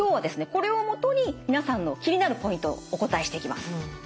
これを基に皆さんの気になるポイントお答えしていきます。